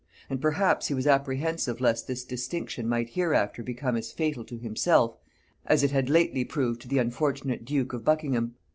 and perhaps he was apprehensive lest this distinction might hereafter become as fatal to himself as it had lately proved to the unfortunate duke of Buckingham.